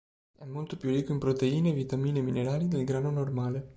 È molto più ricco in proteine, vitamine e minerali del grano normale.